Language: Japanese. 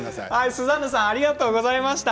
スザンヌさんありがとうございました。